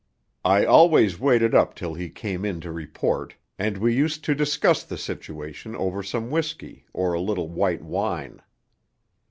(I always waited up till he came in to report, and we used to 'discuss the situation' over some whisky or a little white wine.)